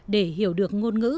để hiểu được ngôn ngữ